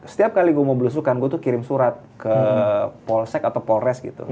setiap kali gue mau belusukan gue tuh kirim surat ke polsek atau polres gitu